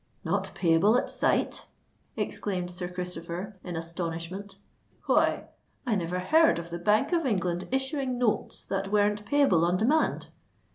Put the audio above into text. "Not payable at sight!" exclaimed Sir Christopher, in astonishment. "Why—I never heard of the Bank of England issuing notes that weren't payable on demand."